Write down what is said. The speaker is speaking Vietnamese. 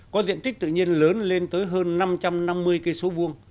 có diện tích tự nhiên lớn lên tới hơn năm trăm năm mươi km vuông